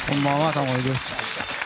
タモリです。